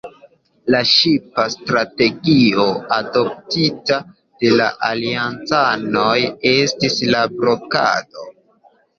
La ŝipa strategio adoptita de la aliancanoj estis la blokado.